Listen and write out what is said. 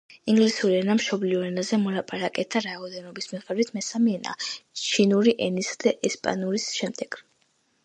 ინგლისური ენა მშობლიურ ენაზე მოლაპარაკეთა რაოდენობის მიხედვით მესამე ენაა, ჩინური ენისა და ესპანურის შემდეგ.